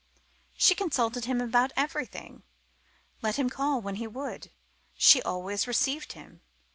She consulted him about everything. Let him call when he would, she always received him.